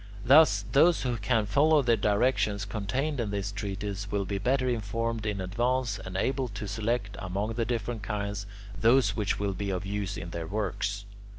Thus those who can follow the directions contained in this treatise will be better informed in advance, and able to select, among the different kinds, those which will be of use in their works.